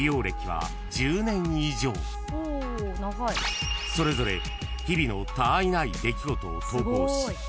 ［それぞれ日々のたあいない出来事を投稿し］